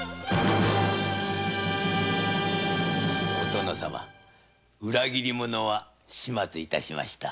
殿様裏切り者は始末しました。